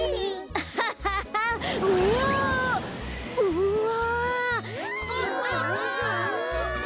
うわ。